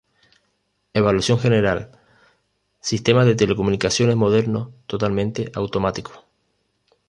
Evaluación general: sistema de telecomunicaciones moderno totalmente automático.